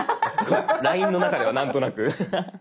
ＬＩＮＥの中ではなんとなく。